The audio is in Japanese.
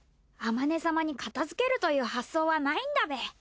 あまね様に片づけるという発想はないんだべ。